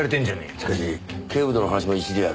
しかし警部殿の話も一理ある。